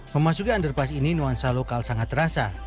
memasuki underpass ini nuansa lokal sangat terasa